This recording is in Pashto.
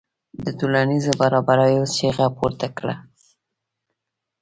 د ټولنیزو برابریو چیغه پورته کړه.